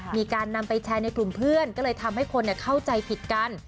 มีการนำไปแชร์ในกลุ่มเพื่อนก็เลยทำให้คนเข้าใจผิดกัน